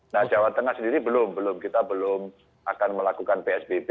nah jawa tengah sendiri belum kita belum akan melakukan psbb